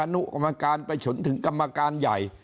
นุกรรมการไปฉนถึงกรรมการใหญ่